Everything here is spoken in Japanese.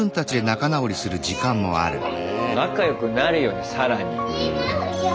仲よくなるよね更に。